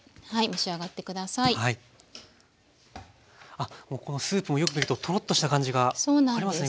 あこのスープもよく見るととろっとした感じがありますね